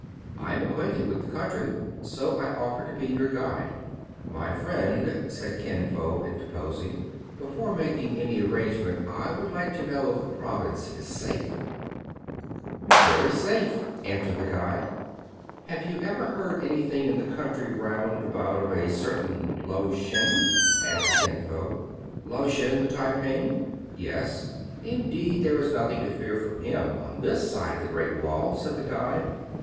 I am acquainted with the country, so I offer to be your guide. My friend,*' said Kin Fo, interposing, "before making any arrangement, I would like to know if the province is safe }*' 246 TRIBULATIONS OF A CHINAMAN. Very safe,'* answered the guide. Have you ever heard any thing in the country round about of a certain Lao Shen ?" asked Kin Fo. " Lao Shen the Tai ping ?"" Yes." " Indeed there is nothing to fear from him on this side of the Great Wall," said the guide.